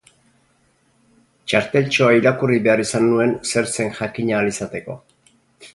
Txarteltxoa irakurri behar izan nuen zer zen jakin ahal izateko.